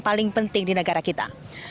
paling penting di negara kita